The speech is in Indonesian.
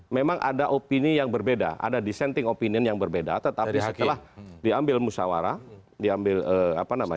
memang ada opini yang berbeda ada dissenting opinion yang berbeda tetapi setelah diambil musawarah diambil apa namanya